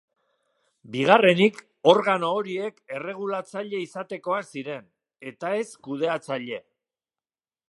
Bigarrenik, organo horiek erregulatzaile izatekoak ziren, eta ez kudeatzaile.